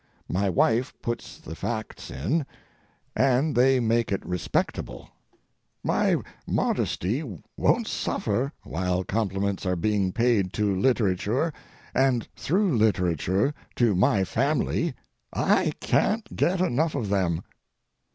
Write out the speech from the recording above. My wife puts the facts in, and they make it respectable. My modesty won't suffer while compliments are being paid to literature, and through literature to my family. I can't get enough of them.